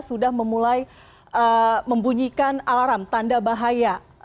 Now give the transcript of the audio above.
sudah memulai membunyikan alarm tanda bahaya